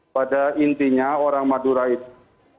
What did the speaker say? pada intinya orang madura itu